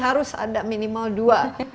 harus ada minimal dua